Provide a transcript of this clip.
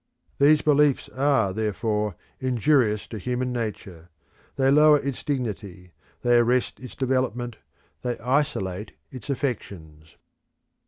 These beliefs are, therefore, injurious to human nature. They lower its dignity; they arrest its development; they isolate its affections.